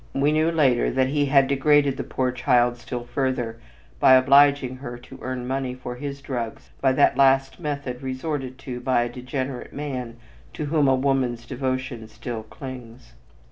We knew later that he had degraded the poor child still further by obliging her to earn money for his drugs by that last method resorted to by a degenerate man to whom a woman's devotion still clings.